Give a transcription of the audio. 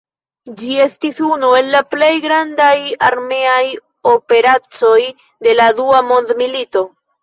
Ĝi estis unu el la plej grandaj armeaj operacoj de la dua mondmilito.